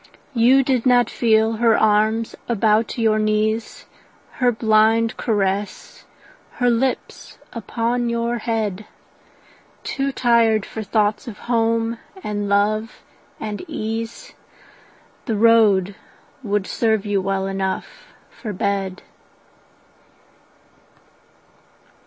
You did not feel her arms about your knees, Her blind caress, her lips upon your head: Too tired for thoughts of home and love and ease, The road would serve you well enough for bed.